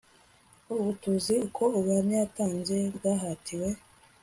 ubu tuzi ko ubuhamya yatanze bwahatiwe